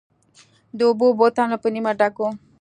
د اوبو بوتل مې په نیمه ډک و.